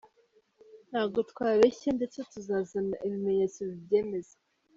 Ntago twabeshye, ndetse tuzazana ibimenyetso bibyemeza.